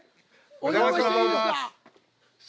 お願いします。